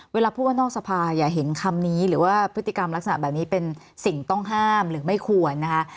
เวลาพูดว่านอกสภาอย่าเห็นคำนี้หรือว่าพฤติกรรมลักษณะแบบนี้เป็นสิ่งต้องห้ามหรือไม่ควรนะคะ